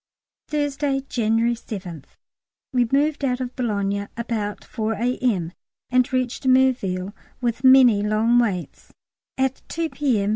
Thursday, January 7th. We moved out of Boulogne about 4 A.M., and reached Merville (with many long waits) at 2 P.M.